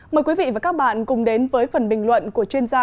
mời quý vị và các bạn cùng đến với phần bình luận của chuyên gia